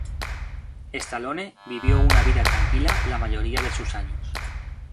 Stallone vivió una vida tranquila la mayoría de sus años.